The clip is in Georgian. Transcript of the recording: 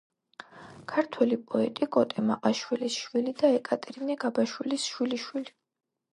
ქართველი პოეტი კოტე მაყაშვილის შვილი და ეკატერინე გაბაშვილის შვილიშვილი.